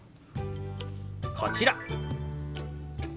こちら。